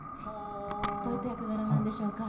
どういった役柄なんでしょうか？